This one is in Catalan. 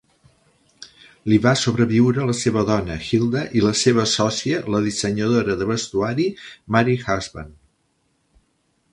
Li va sobreviure la seva dona, Gilda, i la seva sòcia, la dissenyadora de vestuari, Mary Husband.